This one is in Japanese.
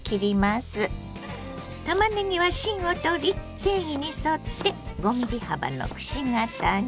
たまねぎは芯を取り繊維に沿って５ｍｍ幅のくし形に。